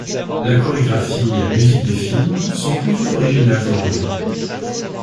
La chorégraphie et la musique du film sont plutôt originales et enlevées.